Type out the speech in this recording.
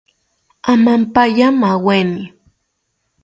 Amampaya maaweni